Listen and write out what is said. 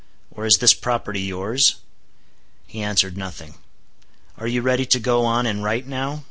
Or is this property yours?" He answered nothing. "Are you ready to go on and write now?